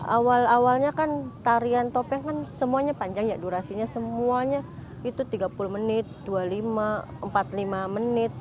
awal awalnya kan tarian topeng kan semuanya panjang ya durasinya semuanya itu tiga puluh menit dua puluh lima empat puluh lima menit